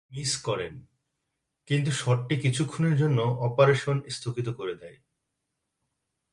তিনি মিস করেন, কিন্তু শটটি কিছুক্ষণের জন্য অপারেশন স্থগিত করে দেয়।